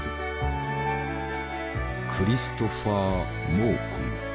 クリストファー・モーコム。